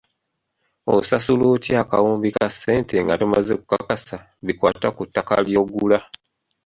Osasula otya akawumbi ka ssente nga tomaze kukakasa bikwata ku ttaka ly'ogula?